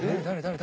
誰？